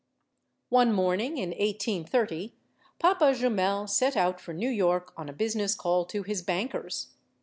One morning in 1830, Papa Jumel set out for New York on a business call to his bankers.